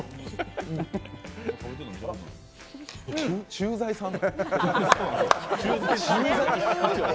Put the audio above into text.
駐在さん？